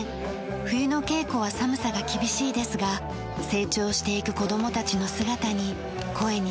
冬の稽古は寒さが厳しいですが成長していく子どもたちの姿に声に熱がこもります。